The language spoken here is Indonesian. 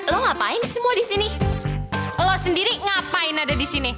lo ngapain semua di sini lo sendiri ngapain ada di sini